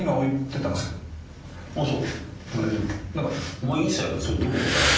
お前いい財布それどこの財布？